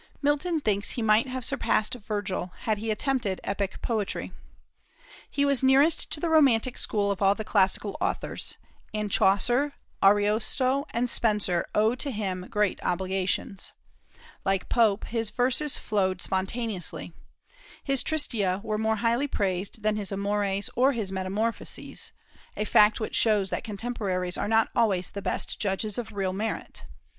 Milton thinks he might have surpassed Virgil, had he attempted epic poetry. He was nearest to the romantic school of all the classical authors; and Chaucer, Ariosto, and Spenser owe to him great obligations. Like Pope, his verses flowed spontaneously. His "Tristia" were more highly praised than his "Amores" or his "Metamorphoses," a fact which shows that contemporaries are not always the best judges of real merit.